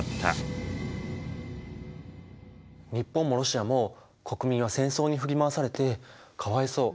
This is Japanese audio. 日本もロシアも国民は戦争に振り回されてかわいそう。